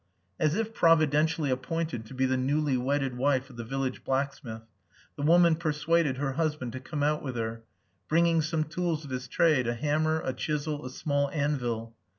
As if providentially appointed to be the newly wedded wife of the village blacksmith, the woman persuaded her husband to come out with her, bringing some tools of his trade, a hammer, a chisel, a small anvil....